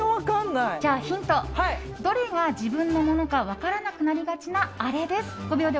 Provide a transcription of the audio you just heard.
ヒントは、どれ自分のものか分からなくなりがちな、あれです。